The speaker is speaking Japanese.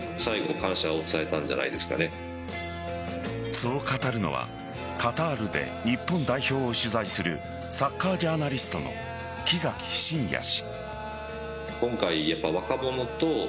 そう語るのはカタールで日本代表を取材するサッカージャーナリストの木崎伸也氏。